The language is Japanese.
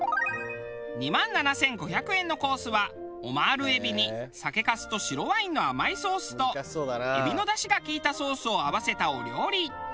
２万７５００円のコースはオマール海老に酒粕と白ワインの甘いソースと海老のダシが利いたソースを合わせたお料理。